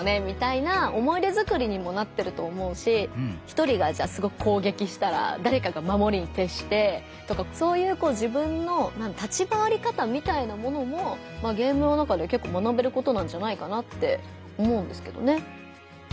みたいな思い出づくりにもなってると思うし１人がじゃあすごく攻撃したらだれかがまもりにてっしてとかそういうこう自分の立ち回り方みたいなものもゲームの中で結構学べることなんじゃないかなって思うんですけどね。